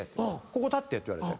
ここ立って」って言われて。